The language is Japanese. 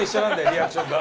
リアクションが。